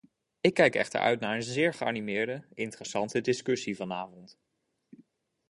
Ik kijk echter uit naar een zeer geanimeerde, interessante discussie vanavond.